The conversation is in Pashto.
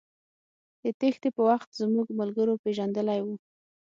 د تېښتې په وخت زموږ ملګرو پېژندلى و.